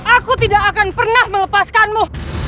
aku tidak akan pernah melepaskanmu